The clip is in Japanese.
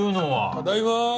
ただいま。